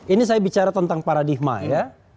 ini saya bicara tentang paradigma ya